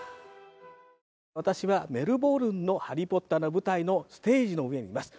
私はメルボルンの「ハリー・ポッター」の舞台のステージの上にいます。